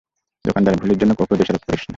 দোকানদারের ভুলের জন্য ওকে দোষারোপ করিস না!